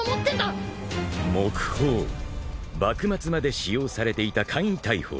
幕末まで使用されていた簡易大砲］